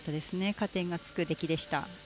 加点がつく出来でした。